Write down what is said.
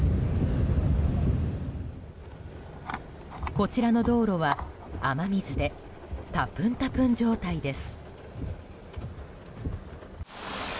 こちらの道路は、雨水でたぷんたぷん状態です。